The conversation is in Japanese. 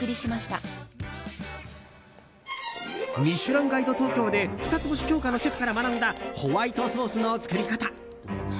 「ミシュランガイド東京」で二つ星評価のシェフから学んだホワイトソースの作り方。